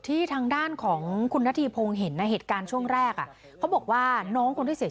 พี่บ๊ายพี่บ๊ายพี่บ๊ายพี่บ๊ายพี่บ๊ายพี่บ๊ายพี่บ๊าย